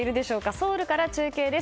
ソウルから中継です。